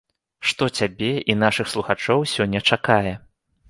Што цябе і нашых слухачоў сёння чакае?